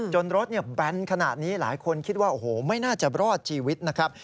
รถแบนขนาดนี้หลายคนคิดว่าโอ้โหไม่น่าจะรอดชีวิตนะครับ